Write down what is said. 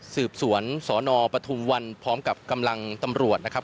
สืบสวนสนปฐุมวันพร้อมกับกำลังตำรวจนะครับ